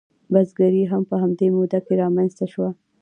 بزګري هم په همدې موده کې رامنځته شوه.